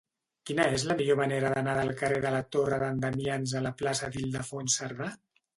Quina és la millor manera d'anar del carrer de la Torre d'en Damians a la plaça d'Ildefons Cerdà?